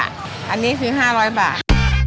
อันนแฮบลู้ผมซื้อ๕๐๐บาท